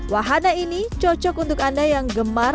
wahana ini cocok untuk anda yang gemar